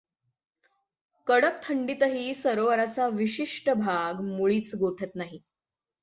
कडक थंडीतही सरोवराचा विशिष्ट भाग मुळीच गोठत नाही.